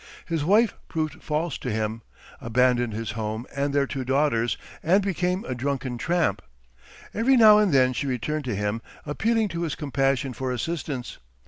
His wife proved false to him, abandoned his home and their two daughters, and became a drunken tramp. Every now and then she returned to him, appealing to his compassion for assistance.